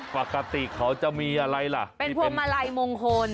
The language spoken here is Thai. ปกติเขาจะมีอะไรล่ะเป็นพวงมาลัยมงคล